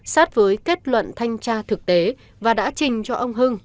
sát với kết luận thanh tra thực tế và đã trình cho ông hưng